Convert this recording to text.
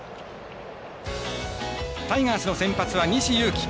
タイガースの先発は西勇輝。